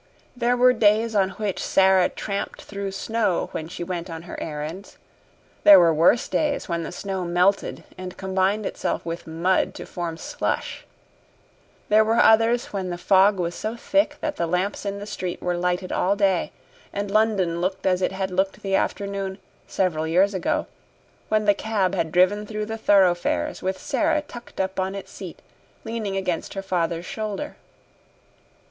There were days on which Sara tramped through snow when she went on her errands; there were worse days when the snow melted and combined itself with mud to form slush; there were others when the fog was so thick that the lamps in the street were lighted all day and London looked as it had looked the afternoon, several years ago, when the cab had driven through the thoroughfares with Sara tucked up on its seat, leaning against her father's shoulder.